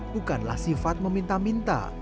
bukanlah sifat meminta minta